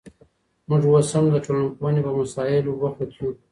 موږ اوس هم د ټولنپوهني په مسائل بوخت یو.